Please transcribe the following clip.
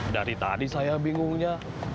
dari tadi saya bingungnya